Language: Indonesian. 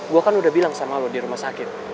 gue kan udah bilang sama lo di rumah sakit